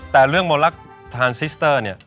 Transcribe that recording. แต่เรื่องมลักษ์ทานซิสเตอร์เนี่ย